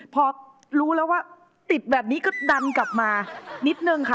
พอรู้แล้วว่าติดแบบนี้ก็ดันกลับมานิดนึงค่ะ